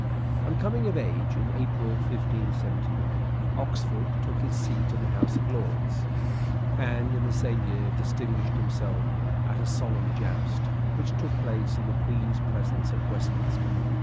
On coming of age, in April 1571, Oxford took his Marriage, seat in the House of Lords, and in the same year distinguished himself at a solemn joust which took place in the Queen's presence at Westminster.